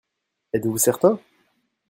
Êtes-vous certain ?